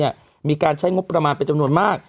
มีการใช้งบประมาณเป็นจำนวนมาก